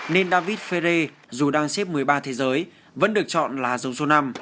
nên david ferre dù đang xếp một mươi ba thế giới vẫn được chọn là dòng số năm